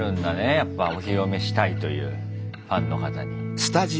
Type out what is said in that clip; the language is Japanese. やっぱお披露目したいというファンの方に。